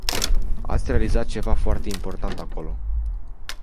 Ați realizat ceva foarte important acolo.